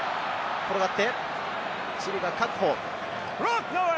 転がってチリが確保。